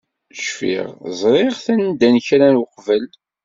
Cfiɣ ẓriɣ-t anda n kra uqbel.